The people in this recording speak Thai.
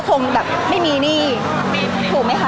พี่ตอบได้แค่นี้จริงค่ะ